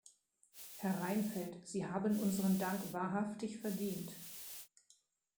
Herr Reinfeldt, Sie haben unseren Dank wahrhaftig verdient.